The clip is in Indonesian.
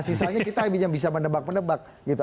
sisanya kita yang bisa menebak menebak gitu